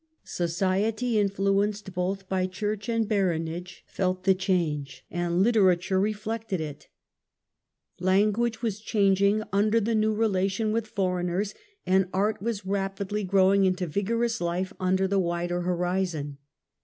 Society, in fluenced both by church and baronage, felt the change, and literature reflected it. Language was changing under the new relation with foreigners, and art was rapidly grow ing into vigorous life under the wider horizon.